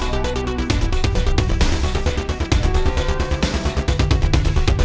gak ada apa apa